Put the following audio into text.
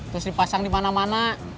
terus dipasang dimana mana